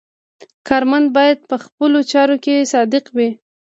کارمند باید په خپلو چارو کې صادق وي.